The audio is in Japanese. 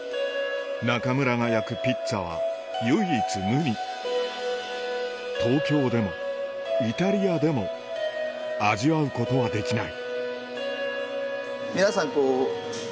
仲村が焼くピッツァは唯一無二東京でもイタリアでも味わうことはできない